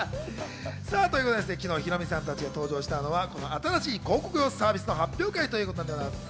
昨日、ヒロミさん達が登場したのはこの新しい広告用サービスの発表会ということでございます。